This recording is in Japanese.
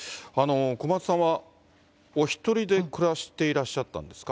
小松さんは、お１人で暮らしていらっしゃったんですか？